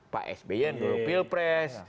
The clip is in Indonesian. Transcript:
pak sbyn guru pilpres